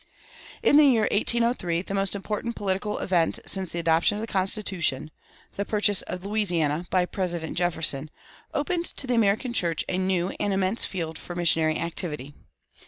In the year 1803 the most important political event since the adoption of the Constitution, the purchase of Louisiana by President Jefferson, opened to the American church a new and immense field for missionary activity.